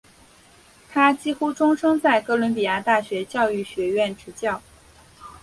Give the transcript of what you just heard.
他几乎终生在哥伦比亚大学教育学院执教。